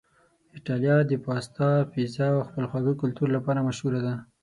ایتالیا د پاستا، پیزا او خپل خواږه کلتور لپاره مشهوره ده.